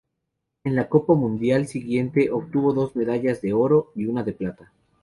En la Copa Mundial siguiente obtuvo dos medallas de oro y una de plata.